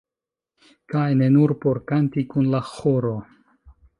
Kaj ne nur por kanti kun la ĥoro.